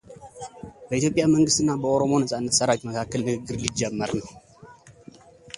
በኢትዮጵያ መንግሥት እና በኦሮሞ ነጻነት ሠራዊት መካከል ንግግር ሊጀመር ነው